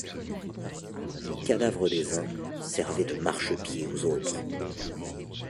Les cadavres des uns servaient de marche-pied aux autres.